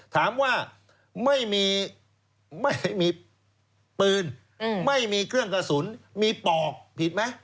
ถามว่าไม่มีไม่มีปืนไม่มีเครื่องกระสุนมีปอกผิดไหม